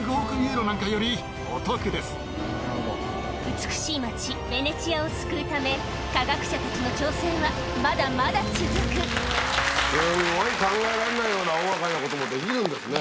美しい町ベネチアを救うため科学者たちの挑戦はまだまだ続くすごい考えられないような大掛かりなこともできるんですね。